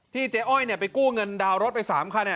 เจ๊อ้อยไปกู้เงินดาวน์รถไป๓คัน